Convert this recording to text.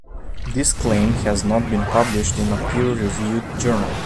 This claim has not been published in a peer reviewed journal.